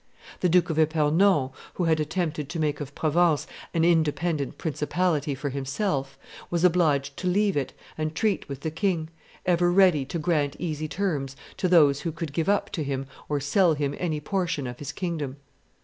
The Duke of Epernon, who had attempted to make of Provence an independent principality for himself, was obliged to leave it and treat with the king, ever ready to grant easy terms to those who could give up to him or sell him any portion of his kingdom.